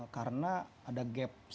karena ada gap sekian banyak